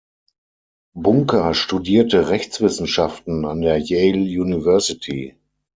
Bunker studierte Rechtswissenschaften an der Yale University.